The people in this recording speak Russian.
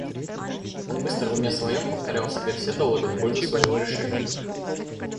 Он быстро в уме своем повторял себе все доводы в пользу своего решения.